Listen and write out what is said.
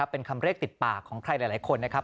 เป็นคำเรียกติดปากของใครหลายคนนะครับ